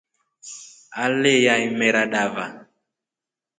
Aleya imera dava.